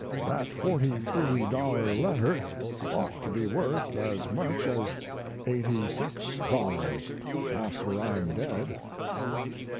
That forty three dollar letter ought to be worth as much as eighty six dollars after I'm dead."